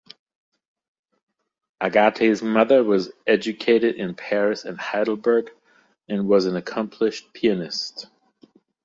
Agate's mother was educated in Paris and Heidelberg, and was an accomplished pianist.